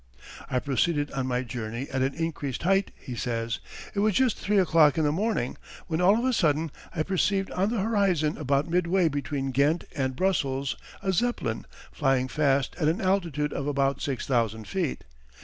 I proceeded on my journey at an increased height [he says]. It was just three o'clock in the morning when all of a sudden I perceived on the horizon about midway between Ghent and Brussels a Zeppelin flying fast at an altitude of about six thousand feet.